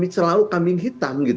selalu kambing hitam